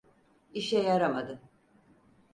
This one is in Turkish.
İşe yaramadı.